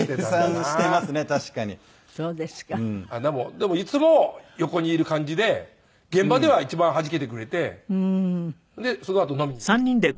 でもいつも横にいる感じで現場では一番はじけてくれてそのあと飲みに行くと。